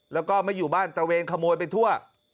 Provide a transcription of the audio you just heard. แล้วก็ไม่อยู่บ้านตระเวนขโมยไปทั่ว